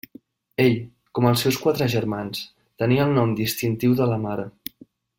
Ell, com els seus quatre germans, tenia el nom distintiu de la seva mare.